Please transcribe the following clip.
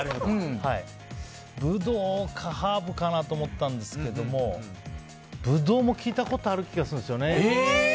ブドウかハーブかなと思ったんですけどブドウも聞いたことがある気がするんですよね。